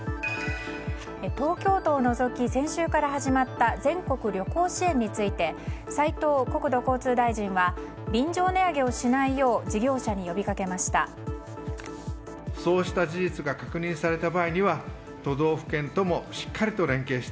東京都を除き先週から始まった全国旅行支援について斉藤国土交通大臣は便乗値上げをしないよう事業者に呼びかけました。